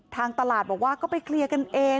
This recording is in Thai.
ทางตลาดบอกว่าก็ไปเคลียร์กันเอง